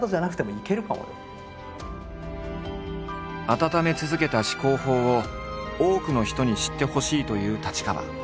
温め続けた思考法を多くの人に知ってほしいという太刀川。